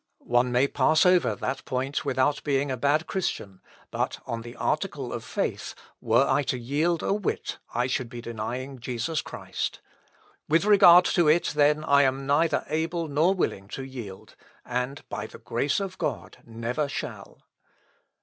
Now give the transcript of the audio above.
One may pass over that point without being a bad Christian, but on the article of faith, were I to yield a whit, I should be denying Jesus Christ. With regard to it, then, I am neither able nor willing to yield, and by the grace of God never shall."